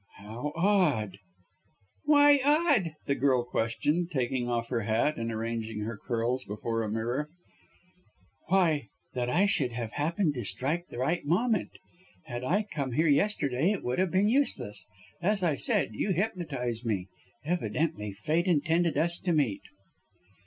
"How odd!" "Why odd?" the girl questioned, taking off her hat and arranging her curls before a mirror. "Why, that I should have happened to strike the right moment! Had I come here yesterday it would have been useless. As I said, you hypnotized me. Evidently fate intended us to meet."